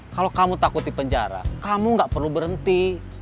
kalau kamu takut di penjara kamu gak perlu berhenti